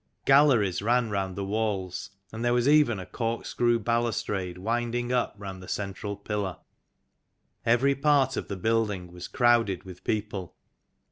Galleries ran round the walls, and there was even a corkscrew balustrade winding up round the central pillar. Every part of the building was crowded with people.